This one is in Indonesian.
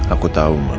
aku tahu mak